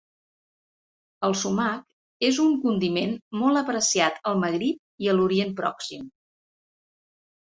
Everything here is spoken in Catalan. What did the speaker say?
El sumac és un condiment molt apreciat al Magrib i a l'Orient pròxim.